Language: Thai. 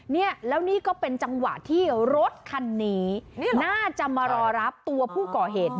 นี่แล้วนี่ก็เป็นจังหวะที่รถคันนี้น่าจะมารอรับตัวผู้ก่อเหตุ